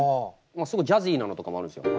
すごいジャジーなのとかもあるんですよ。